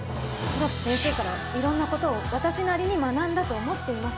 黒木先生からいろんなことを私なりに学んだと思っています。